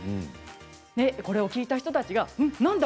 これを聴いた人たちがなんだ